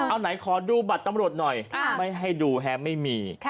เอาไหนขอดูบัตรตำรวจหน่อยไม่ให้ดูฮะไม่มี